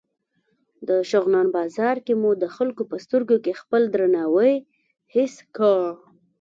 د شغنان بازار کې مو د خلکو په سترګو کې خپل درناوی حس کړ.